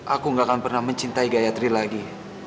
aku gak akan pernah mencintai gayatri lagi